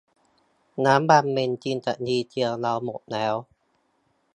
น้ำมันเบนซิลกับดีเซลเราหมดแล้ว